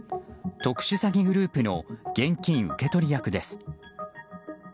特殊詐欺グループの現金受け取り役です。